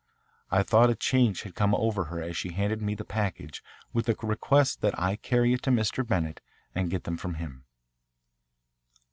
I thought a change had come over her as she handed me the package with the request that I carry it to Mr. Bennett and get them from him.